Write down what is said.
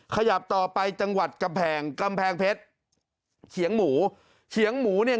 ขยับต่อไปจังหวัดกำแพงกำแพงเพชรเฉียงหมูเฉียงหมูเนี่ย